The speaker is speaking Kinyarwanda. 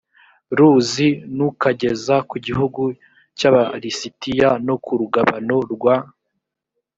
ruzi n ukageza ku gihugu cy aba lisitiya no ku rugabano rwa